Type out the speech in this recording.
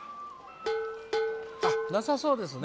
あっなさそうですね。